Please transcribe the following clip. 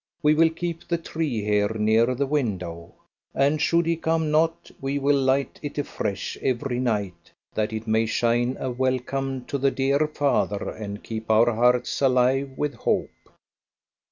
We will keep the tree here, near the window, and should he come not, we will light it afresh every night that it may shine a welcome to the dear father, and keep our hearts alive with hope."